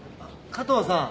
加藤さん。